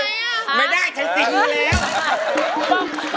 นุฏิบอกว่าไม่ได้ชั้นสิงเธอแล้ว